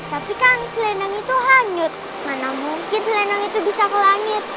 tapi kan selendang itu hanyut mana mungkin selendang itu bisa ke langit